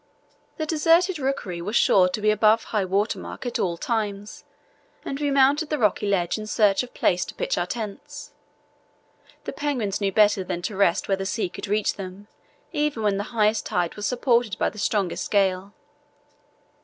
The deserted rookery was sure to be above high water mark at all times; and we mounted the rocky ledge in search of a place to pitch our tents. The penguins knew better than to rest where the sea could reach them even when the highest tide was supported by the strongest gale.